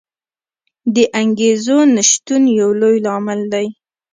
د انګېزو نه شتون یو لوی لامل دی.